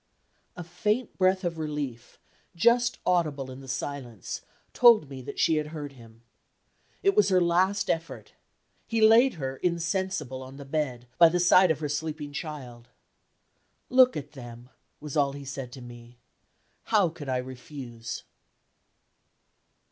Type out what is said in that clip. A faint breath of relief, just audible in the silence, told me that she had heard him. It was her last effort. He laid her, insensible, on the bed, by the side of her sleeping child. "Look at them," was all he said to me; "how could I refuse?"